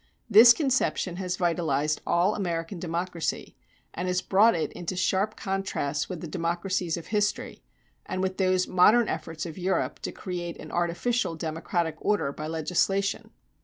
This conception has vitalized all American democracy, and has brought it into sharp contrasts with the democracies of history, and with those modern efforts of Europe to create an artificial democratic order by legislation.